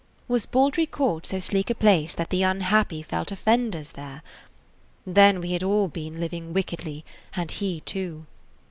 Was Baldry Court so sleek a place that the unhappy felt offenders there? Then we had all been living wickedly, and he, too.